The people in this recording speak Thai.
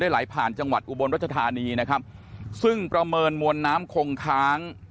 ได้ไหลผ่านจังหวัดอุบรณ์รจทานีนะครับซึ่งประเมินัมวลน้ำโขงคางใน